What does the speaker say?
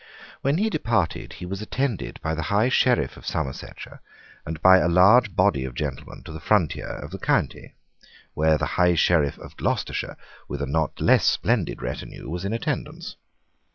When he departed, he was attended by the High Sheriff of Somersetshire and by a large body of gentlemen to the frontier of the county, where the High Sheriff of Gloucestershire, with a not less splendid retinue, was in attendance.